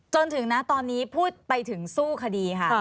จนถึงนะตอนนี้พูดไปถึงสู้คดีค่ะ